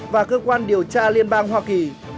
và cơ quan điều tra liên bang hoa kỳ